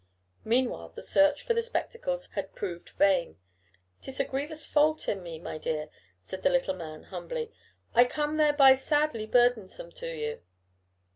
Meanwhile the search for the spectacles had proved vain. "'Tis a grievous fault in me, my dear," said the little man, humbly; "I become thereby sadly burdensome to you."